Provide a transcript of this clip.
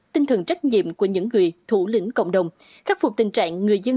tinh thần trách nhiệm của những người thủ lĩnh cộng đồng khắc phục tình trạng người dân